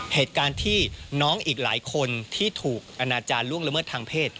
เหตุการณ์ที่น้องอีกหลายคนที่ถูกอนาจารย์ล่วงละเมิดทางเพศ